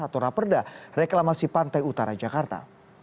atau raperda reklamasi pantai utara jakarta